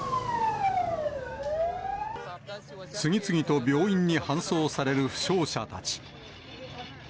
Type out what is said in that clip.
次々と病院に搬送される負傷者たち。